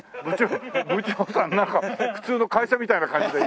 部長さんなんか普通の会社みたいな感じですけども。